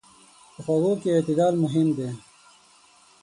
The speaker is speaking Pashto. په خوږو کې اعتدال مهم دی.